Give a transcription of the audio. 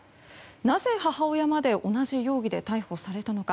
なぜ母親まで同じ容疑で逮捕されたのか。